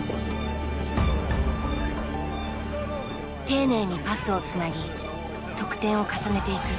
丁寧にパスをつなぎ得点を重ねていく。